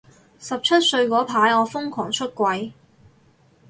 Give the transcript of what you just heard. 十七歲嗰排我瘋狂出櫃